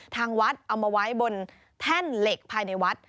ทางวัดเอามาไว้บนแท่นเหล็กภายในวัด